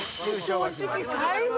正直最後。